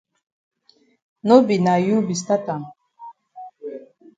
No be na you be stat am.